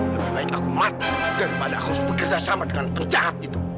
lebih baik aku mati daripada harus bekerjasama dengan penjahat itu